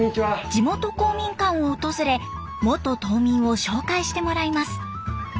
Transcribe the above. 地元公民館を訪れ元島民を紹介してもらいます。